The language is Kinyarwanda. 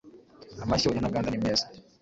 amashyo ya ntaganda ni meza